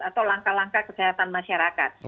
atau langkah langkah kesehatan masyarakat